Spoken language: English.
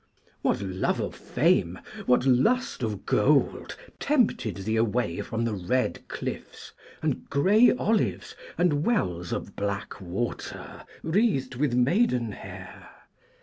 What love of fame, what lust of gold tempted thee away from the red cliffs, and grey olives, and wells of black water wreathed with maidenhair?